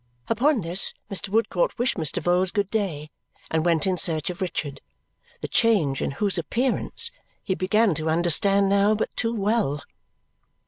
Upon this Mr. Woodcourt wished Mr. Vholes good day and went in search of Richard, the change in whose appearance he began to understand now but too well.